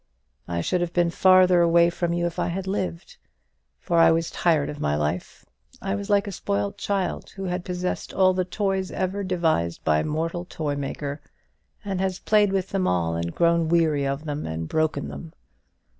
I should have been farther away from you if I had lived; for I was tired of my life. I was like a spoilt child, who has possessed all the toys ever devised by mortal toymaker, and has played with them all, and grown weary of them, and broken them.